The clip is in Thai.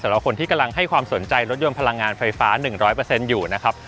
สำหรับคนที่กำลังให้ความสนใจรถยนต์พลังงานไฟฟ้า๑๐๐อยู่นะครับ